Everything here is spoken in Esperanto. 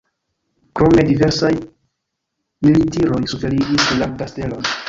Krome diversaj militiroj suferigis la kastelon.